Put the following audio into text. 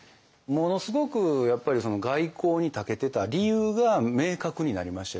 ものすごくやっぱり外交にたけてた理由が明確になりましたよね。